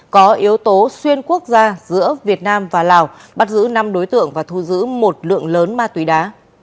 có yếu tố xuyên quốc gia giữa việt nam và lào bắt giữ năm đối tượng và thu giữ một lượng lớn ma túy đá